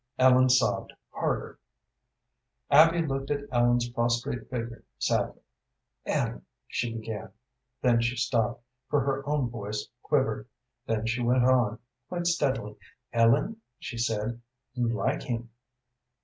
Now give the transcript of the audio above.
Ellen sobbed harder. Abby looked at Ellen's prostrate figure sadly. "Ellen," she began; then she stopped, for her own voice quivered. Then she went on, quite steadily. "Ellen," she said, "you like him."